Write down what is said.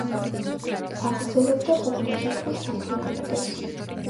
აგრძელებდა პუბლიცისტურ საქმიანობას.